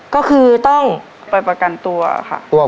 ก็คือต้องโดยประกันตัวครับค่ะมีการผลตัวครับ